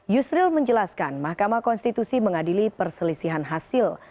yusril menjelaskan mahkamah konstitusi mengadili perselisihan hasil